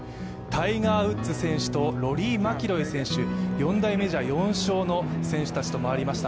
タイガー・ウッズ選手とロリー・マキロイ選手、４大メジャー４勝の選手たちと回りました。